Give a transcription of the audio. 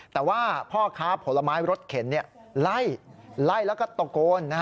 แต่ว่าพ่อค้าผลไม้รถเข็นไล่แล้วก็ตะโกน